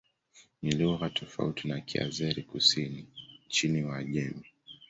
Ni lugha tofauti na Kiazeri-Kusini nchini Uajemi.